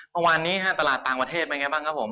วันวานนี้ฮะตลาดต่างประเทศเป็นยังไงบ้างครับผม